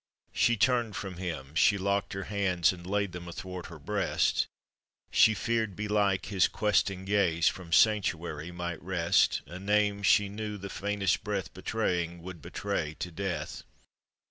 She turned from him, she locked her hands And laid them athwart her breast ; She feared b Jike his questing gaze From sanctuary might wrest A name she knew the faintest breath Betraying, would betray to death.